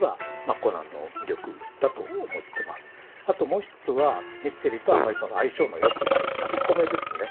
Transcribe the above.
もう一つはミステリーとあんまり相性のよくないラブコメですね。